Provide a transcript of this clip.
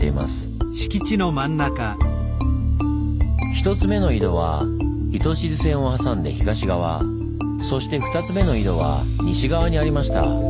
１つ目の井戸は糸静線を挟んで東側そして２つ目の井戸は西側にありました。